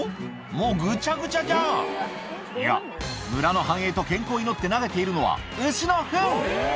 もうぐちゃぐちゃじゃんいや村の繁栄と健康を祈って投げているのは牛のふん！